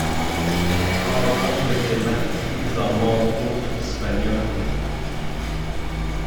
Pendant que des marquis en manteaux espagnols